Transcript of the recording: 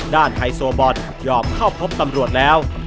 ด้านไฮโซบอนด์ยอมเข้าพบตำรวจแล้ว